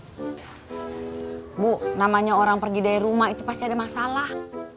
ibu namanya orang pergi dari rumah itu pasti ada masalah